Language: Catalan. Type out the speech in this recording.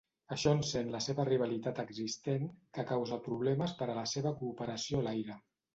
Això encén la seva rivalitat existent, que causa problemes per a la seva cooperació a l'aire.